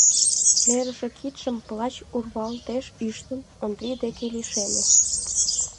Нӧрышӧ кидшым плащ урвалтеш ӱштын, Ондрий деке лишеме.